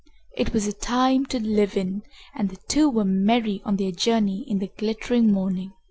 It was a time to live in, and the two were merry on their journey in the glittering morning.